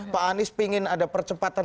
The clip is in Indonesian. pak anies ingin ada percepatan